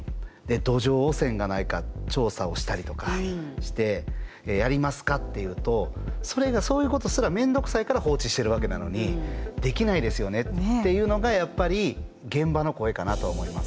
土壌汚染がないか調査をしたりとかしてやりますかっていうとそれがそういうことすら面倒くさいから放置しているわけなのにできないですよねっていうのがやっぱり現場の声かなと思います。